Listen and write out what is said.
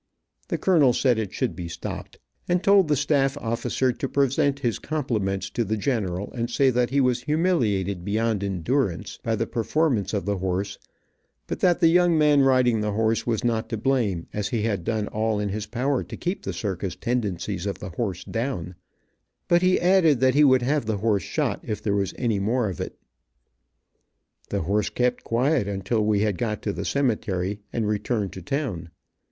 The colonel said it should be stopped, and told the start officer to present his compliments to the general and say that he was humiliated beyond endurance by the performance of the horse, but that the young man riding the horse was not to blame, as he had done all in his power to keep the circus tendencies of the horse down, but he added that he would have the horse shot if there was any more of it. The horse kept quiet until we had got to the cemetery, and returned to town.